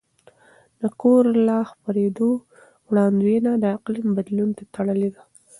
د کولرا خپرېدو وړاندوینه د اقلیم بدلون ته تړلې ده.